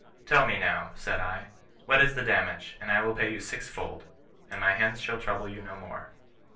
Tell me now, said I, what is the damage, and I will pay you sixfold ; and my hens shall trouble you no more.